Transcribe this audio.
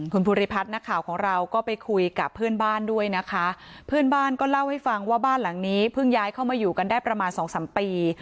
คุณภูริพัฒน์นักข่าวของเราก็ไปคุยกับเพื่อนบ้านด้วยนะคะเพื่อนบ้านก็เล่าให้ฟังว่าบ้านหลังนี้เพิ่งย้ายเข้ามาอยู่กันได้ประมาณสองสามปี